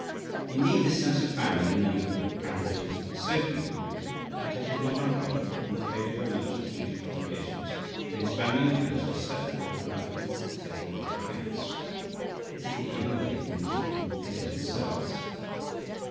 Indeed, this sense of family and neighbourhood accountability is so deeply rooted that it is not uncommon, on the failure of a merchant to meet his obligations, for his family and friends to step forward and help him to settle his accounts. It is the only way in which they can clear themselves.